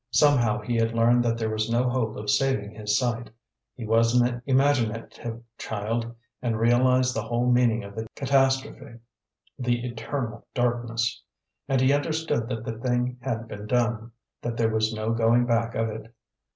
Somehow he had learned that there was no hope of saving his sight; he was an imaginative child and realised the whole meaning of the catastrophe; the eternal darkness.... And he understood that the thing had been done, that there was no going back of it.